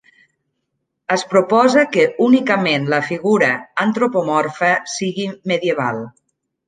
Es proposa que únicament la figura antropomorfa sigui medieval.